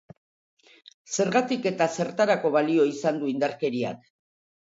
Zergatik eta zertarako balio izan du indarkeriak?